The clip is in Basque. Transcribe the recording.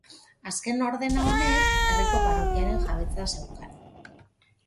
Azken ordena honek herriko parrokiaren jabetza zeukan.